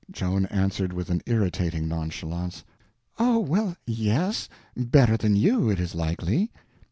Joan answered with an irritating nonchalance: "Oh, well, yes—better than you, it is likely."